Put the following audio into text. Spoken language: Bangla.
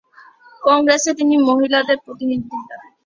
কংগ্রেসে তিনি মহিলাদের প্রতিনিধিত্বের দাবি তোলেন।